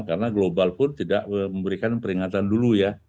karena global pun tidak memberikan peringatan dulu ya